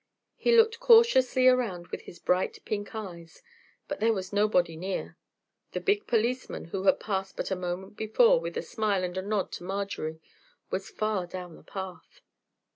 He looked cautiously around with his bright pink eyes, but there was nobody near. The big policeman, who had passed but a moment before with a smile and a nod to Marjorie, was far down the path.